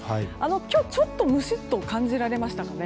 今日、ちょっとムシッと感じられましたかね。